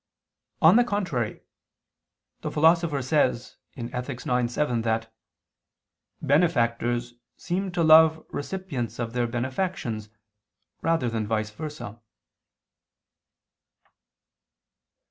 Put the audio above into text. On the contrary, The Philosopher says (Ethic. ix, 7), that "benefactors seem to love recipients of their benefactions, rather than vice versa."